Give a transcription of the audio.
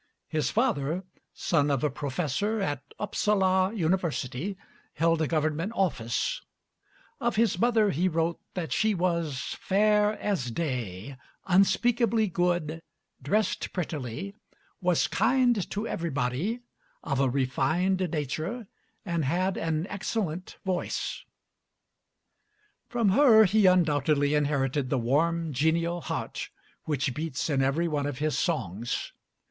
His father, son of a professor at Upsala University, held a government office; of his mother he wrote that she was "fair as day, unspeakably good, dressed prettily, was kind to everybody, of a refined nature, and had an excellent voice." From her he undoubtedly inherited the warm, genial heart which beats in every one of his songs.